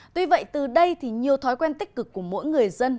tuy vậy từ đây thì nhiều thói quen tích cực của mỗi người dân